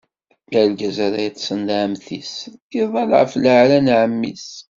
Argaz ara yeṭṭṣen d ɛemmti-s, iḍall ɣef leɛra n ɛemmi-s.